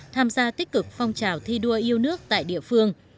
tham gia tích cực phong trào thi đua yêu nước tại địa phương